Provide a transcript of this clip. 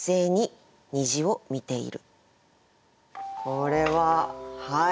これははい。